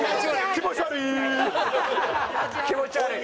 気持ち悪い。